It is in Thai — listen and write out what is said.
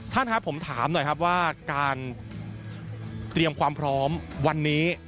ท่านครับผมถามหน่อยครับว่าการเตรียมความพร้อมวันนี้